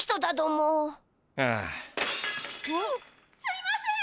・すいません！